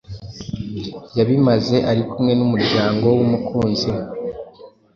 yabimaze ari kumwe n’umuryango w’umukunzi we